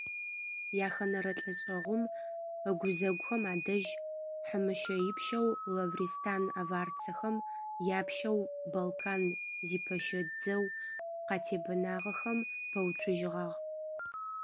Яхэнэрэ лӏэшӏэгъум ыгузэгухэм адэжь хъымыщэипщэу Лавристан аварцэхэм япщэу Байкан зипэщэ дзэу къатебэнагъэхэм пэуцужьыгъагъ.